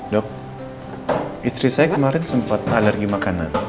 dok istri saya kemarin sempat alergi makanan